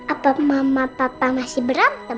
atau mama papa masih berantem